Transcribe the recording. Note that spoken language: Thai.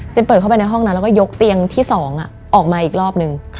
เปิดเข้าไปในห้องนั้นแล้วก็ยกเตียงที่๒ออกมาอีกรอบนึง